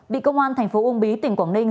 bị công an thành phố uông bí tỉnh quảng ninh